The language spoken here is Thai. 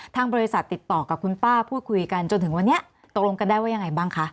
ทางบริษัทติดต่อกับคุณป้าพูดคุยกันจนถึงวันนี้ตกลงกันได้ว่ายังไงบ้างคะ